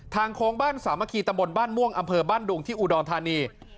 ทางโค้งบ้านสามขีตบลบ้านม่วงอำเภอบ้านดุงอุดรธานี